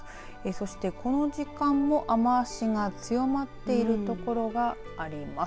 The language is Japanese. そして、この時間も雨足が強まっているところがあります。